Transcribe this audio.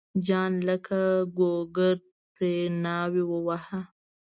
جان لکه ګوګرد پرې ناوی وواهه.